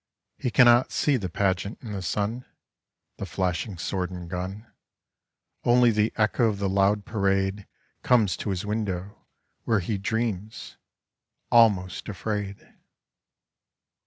He cannot see the pageant in the sun, The flashing sword and gun; Only the echo of the loud parade Comes to his window where he dreams, almost afraid.